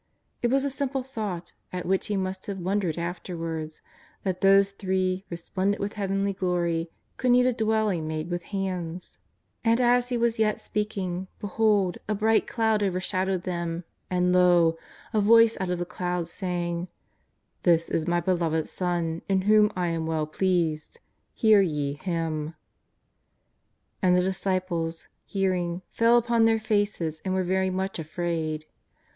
It was a simple thought at which he must have wondered afterwards, that those three, resplendent with heavenly glory, could need a dwelling made wuth hands ! And as he was yet speaking, behold, a bright cloud overshadowed them, and lo I a Voice out of the cloud saying :^' This is My Beloved Son in whom I am well pleased : hear ye Him." ^And the disciples, hearing, fell upon their faces and were very much afraid.